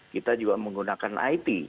kita juga menggunakan it